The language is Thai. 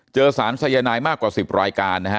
เจอสารสายนายมากกว่า๑๐รายการนะฮะ